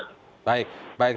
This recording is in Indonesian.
baik terima kasih prof a s hikam